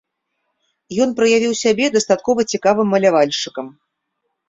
Ён праявіў сябе дастаткова цікавым малявальшчыкам.